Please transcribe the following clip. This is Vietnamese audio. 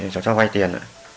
cháu cho vai tiền